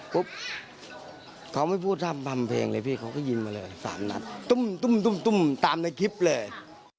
ปุ๊บเขาไม่พูดทำทำเพลงเลยพี่เขาก็ยินมาเลยสามนัดตุ้มตุ้มตุ้มตุ้มตามในคลิปเลย